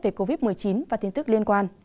về covid một mươi chín và tin tức liên quan